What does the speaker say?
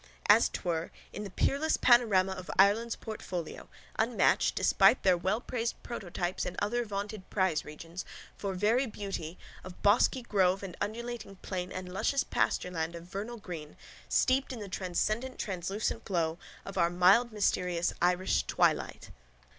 _—As 'twere, in the peerless panorama of Ireland's portfolio, unmatched, despite their wellpraised prototypes in other vaunted prize regions, for very beauty, of bosky grove and undulating plain and luscious pastureland of vernal green, steeped in the transcendent translucent glow of our mild mysterious Irish twilight...